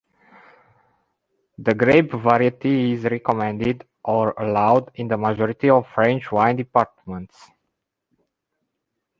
The grape variety is recommended or allowed in the majority of French wine departments.